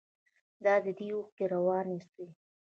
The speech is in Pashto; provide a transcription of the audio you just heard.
د ادې اوښکې روانې سوې.